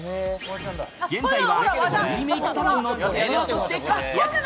現在はボディメイクサロンのトレーナーとして活躍中。